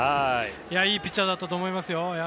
いいピッチャーだったと思いますよ。